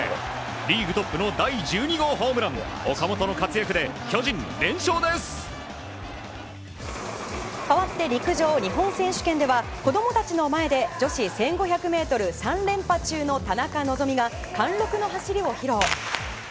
リーグトップの第１２号ホームランかわって陸上・日本選手権では子供たちの前で女子１５００ｍ３連覇中の田中希実が貫録の走りを披露。